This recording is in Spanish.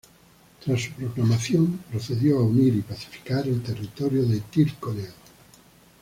Tras su proclamación, procedió a unir y pacificar el territorio de Tyrconnell.